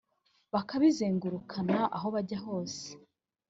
bakabizengurukana aho bajya hose